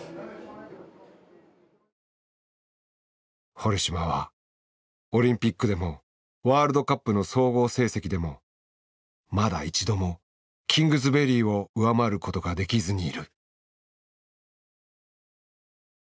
堀島はオリンピックでもワールドカップの総合成績でもまだ一度もキングズベリーを上回ることができずにいる。